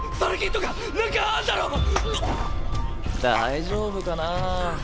大丈夫かなぁ？